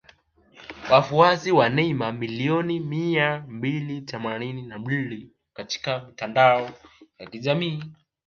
Wafuasi wa Neymar milioni mia mbili themanini na mbili katika mitandao ya kijamii